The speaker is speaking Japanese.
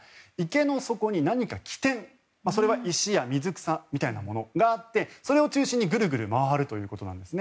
池の底に何か基点それは石や水草みたいなものがあってそれを中心にグルグル回るということです。